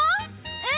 うん！